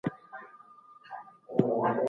کمپيوټر حقونه لري.